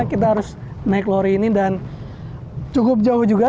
kita harus naik lori ini dan cukup jauh juga